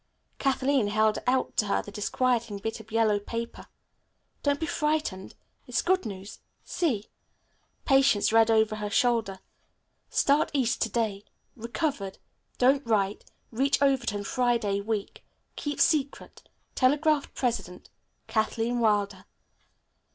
Kathleen held out to her the disquieting bit of yellow paper. "Don't be frightened. It's good news. See." Patience read over her shoulder. "Start east to day. Recovered. Don't write. Reach Overton Friday week. Keep secret. Telegraphed president. Katherine Wilder."